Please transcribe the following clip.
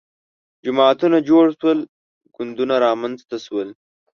جماعتونه جوړ شول ګوندونه رامنځته شول